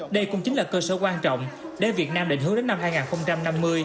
đây cũng chính là cơ sở quan trọng để việt nam định hướng đến năm hai nghìn năm mươi